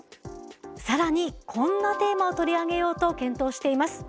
更にこんなテーマを取り上げようと検討しています。